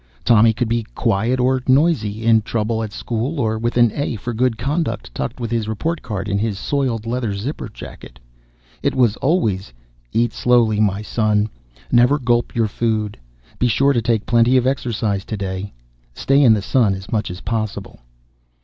Tommy could be quiet or noisy, in trouble at school, or with an A for good conduct tucked with his report card in his soiled leather zipper jacket. It was always: "Eat slowly, my son. Never gulp your food. Be sure to take plenty of exercise today. Stay in the sun as much as possible."